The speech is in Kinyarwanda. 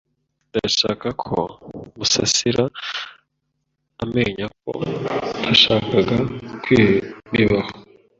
Ndashaka ko Musasira amenya ko ntashakaga ko ibi bibaho.